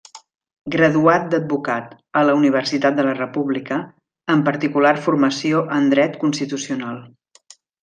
Graduat d'advocat a la Universitat de la República, amb particular formació en Dret constitucional.